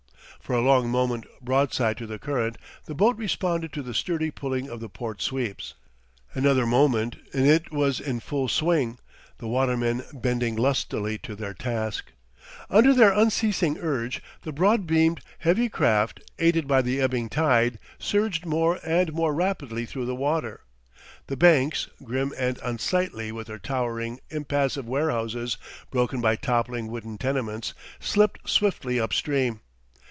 For a long moment broadside to the current, the boat responded to the sturdy pulling of the port sweeps. Another moment, and it was in full swing, the watermen bending lustily to their task. Under their unceasing urge, the broad beamed, heavy craft, aided by the ebbing tide, surged more and more rapidly through the water; the banks, grim and unsightly with their towering, impassive warehouses broken by toppling wooden tenements, slipped swiftly up stream.